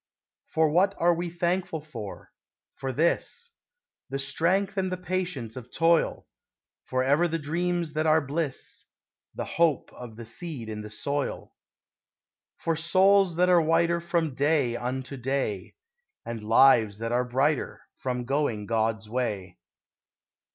For what are we thankful for? For this: The strength and the patience of toil; For ever the dreams that are bliss The hope of the seed in the soil. For souls that are whiter From day unto day; And lives that are brighter From going God's way.